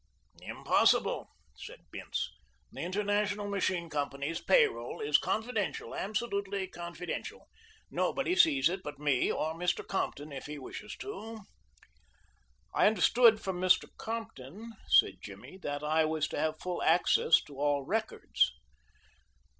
"Impossible," said Bince. "The International Machine Company's pay roll is confidential, absolutely confidential. Nobody sees it but me or Mr. Compton if he wishes to." "I understood from Mr. Compton," said Jimmy, "that I was to have full access to all records."